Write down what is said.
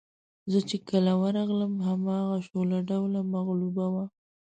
زه چې کله ورغلم هماغه شوله ډوله مغلوبه وه.